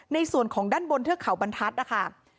ในส่วนของด้านบนเทือกเขาบรรทัศน์นะคะ